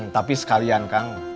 tapi sekalian kang